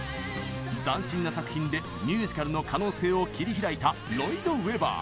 斬新な作品でミュージカルの可能性を切り開いたロイド＝ウェバー。